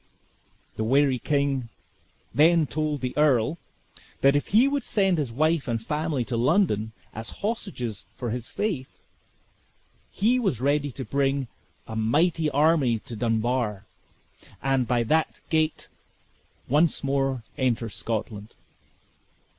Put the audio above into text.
The wary king then told the earl, that if he would send his wife and family to London, as hostages for his faith, he was ready to bring a mighty army to Dunbar; and, by that gate, once more enter Scotland.